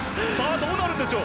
どうなるんでしょう。